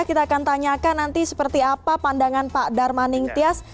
kita akan tanyakan nanti seperti apa pandangan pak darmaning tias